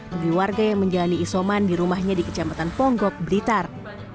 bagi warga yang menjalani isoman di rumahnya di kecamatan ponggok blitar